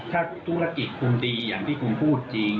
ถ้าธุรกิจคุณดีอย่างที่คุณพูดจริง